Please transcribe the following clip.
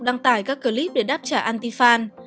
đăng tải các clip để đáp trả antifan